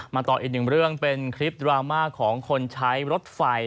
ต่ออีกหนึ่งเรื่องเป็นคลิปดราม่าของคนใช้รถไฟ